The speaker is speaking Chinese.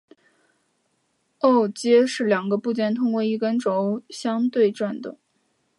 枢接是两个部件通过一根轴相对转动。